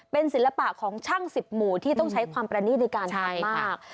เป็นศิลปะของช่าง๑๐หมู่ที่ต้องใช้ความประนีตในการทำมาก